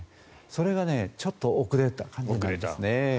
それがちょっと遅れた感じですね。